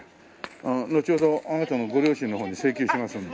あののちほどあなたのご両親の方に請求しますんで。